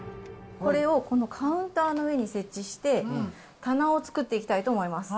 これをこのカウンターの上に設置して、棚を作っていきたいと棚。